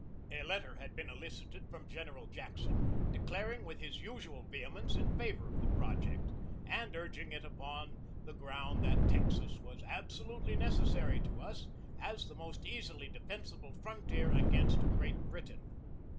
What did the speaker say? A letter had been elicited from General Jackson, declaring with his usual vehemence in favor of the project, and urging it upon the ground that Texas was absolutely necessary to us, as the most easily defensible frontier against Great Britain.